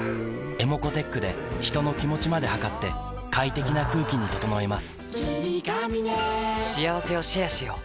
ｅｍｏｃｏーｔｅｃｈで人の気持ちまで測って快適な空気に整えます